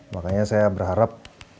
makanya saya berharap